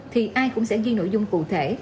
thì ai cũng sẽ ghi nội dung cụ thể